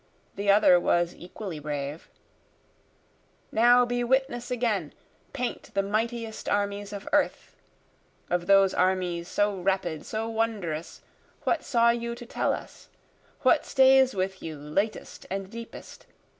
the other was equally brave;) Now be witness again, paint the mightiest armies of earth, Of those armies so rapid so wondrous what saw you to tell us? What stays with you latest and deepest?